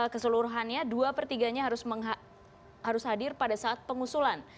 keseluruhannya dua per tiganya harus hadir pada saat pengusulan